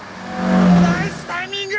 ナイスタイミング！